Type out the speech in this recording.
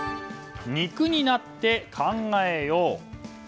肉になって考えよう。